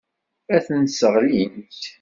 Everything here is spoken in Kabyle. Ad ten-sseɣlint.